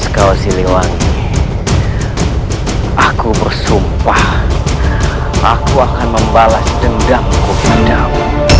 kau siliwangi aku bersumpah aku akan membalas dendamku padamu